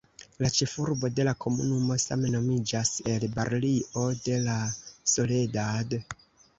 La ĉefurbo de la komunumo same nomiĝas "El Barrio de la Soledad".